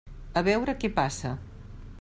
A veure què passa.